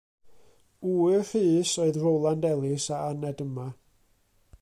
Ŵyr Rhys oedd Rowland Ellis a aned yma.